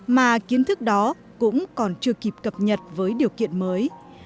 mà kiến thức đó cũng còn chưa kịp cập nhật với điều kiện mới